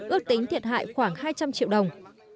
ước tính thiệt hại khoảng hai trăm linh triệu đồng